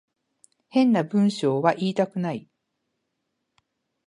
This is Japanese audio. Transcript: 変な文章は言いたくない